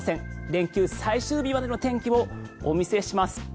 連休最終日までの天気をお見せします。